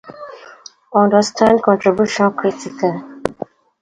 The ringroad continues east along Old Street.